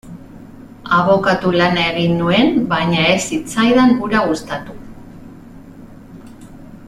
Abokatu lana egin nuen, baina ez zitzaidan hura gustatu.